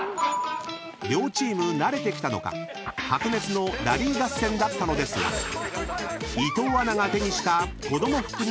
［両チーム慣れてきたのか白熱のラリー合戦だったのですが伊藤アナが手にした］